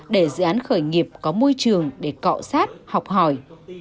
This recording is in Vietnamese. để dự án khởi nghiệp có môi trường để cọ sát học hỏi